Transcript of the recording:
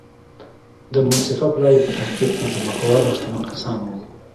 د منصفه پلاوي په ترکیب کې ځمکوال او شتمن کسان وو.